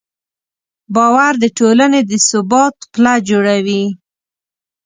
باور د ټولنې د ثبات پله جوړوي.